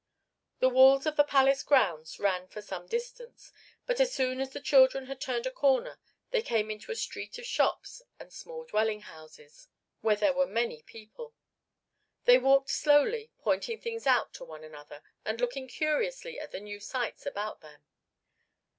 The walls of the palace grounds ran for some distance, but as soon as the children had turned a corner they came into a street of shops and small dwelling houses where there were many people. They walked slowly, pointing things out to one another and looking curiously at the new sights about them.